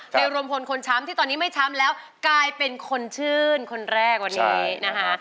รวมพลคนช้ำที่ตอนนี้ไม่ช้ำแล้วกลายเป็นคนชื่นคนแรกวันนี้นะคะ